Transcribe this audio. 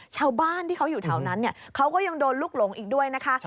ชาวบ้านที่เขาอยู่แถวนั้นเขาก็ยังโดนลูกหลงอีกด้วยนะคะ